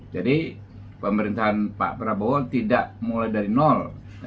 jadi pemerintahan pak prabowo tidak mulai dari nol